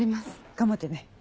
頑張ってね。